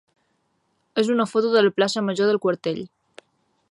és una foto de la plaça major de Quartell.